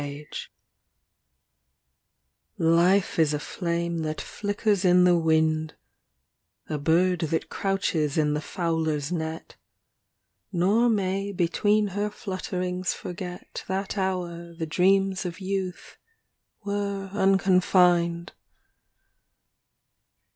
THE DIWAN OF ABUŌĆÖL ALA 43 XLIV Life is a flame that flickers in the wind, A bird that crouches in the fowlerŌĆÖs net ŌĆö Nor may between her fluttering^ forget That hour the dreams of youth were unconfined.